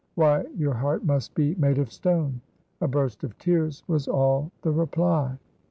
Why, your heart must be made of stone." A burst of tears was all the reply.